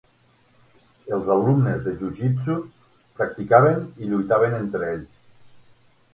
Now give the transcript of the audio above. Els alumnes de jujitsu practicaven i lluitaven entre ells.